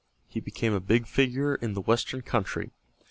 He became a big figure in the western country.